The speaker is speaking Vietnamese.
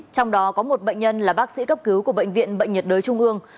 trong đó có một bệnh nhân là bác sĩ cấp cứu của bệnh viện bệnh nhiệt đới trung ương